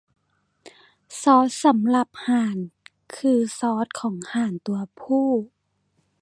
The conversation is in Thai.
ซอสสำหรับห่านคือซอสของห่านตัวผู้